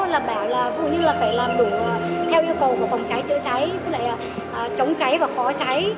là bảo là vừa như là phải làm đủ theo yêu cầu của phòng cháy chữa cháy vừa lại là chống cháy và khó cháy